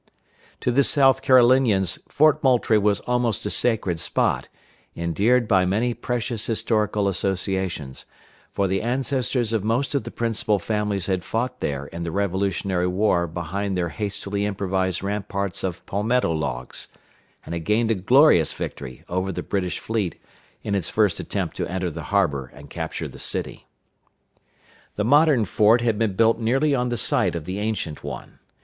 To the South Carolinians Fort Moultrie was almost a sacred spot, endeared by many precious historical associations; for the ancestors of most of the principal families had fought there in the Revolutionary War behind their hastily improvised ramparts of palmetto logs, and had gained a glorious victory over the British fleet in its first attempt to enter the harbor and capture the city. The modern fort had been built nearly on the site of the ancient one.